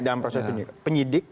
dalam proses penyidik